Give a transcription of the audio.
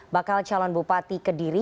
bakal calon bupati ke dua dan